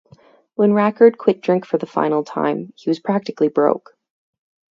When Rackard quit drink for the final time he was practically broke.